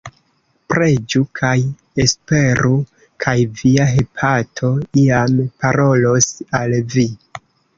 Preĝu kaj esperu, kaj Via hepato iam parolos al Vi.